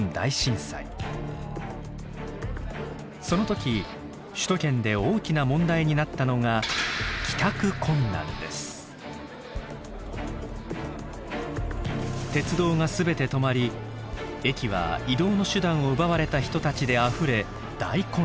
その時首都圏で大きな問題になったのが鉄道が全て止まり駅は移動の手段を奪われた人たちであふれ大混乱。